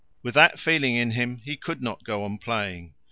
With that feeling in him he could not go on playing.